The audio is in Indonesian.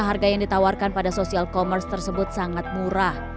harga yang ditawarkan pada social commerce tersebut sangat murah